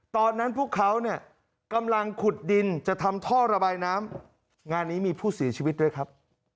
ตอนนั้นพวกเขาเนี่ยกำลังขุดดินจะทำท่อระบายน้ำงานนี้มีผู้เสียชีวิตด้วยครับ